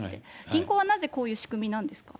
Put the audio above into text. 銀行はなぜこういう仕組みなんですか。